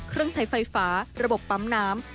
เครื่องใช้ไฟฟ้าระบบปั๊มน้ำ